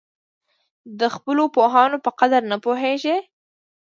د خپلو پوهانو په قدر نه پوهېږي.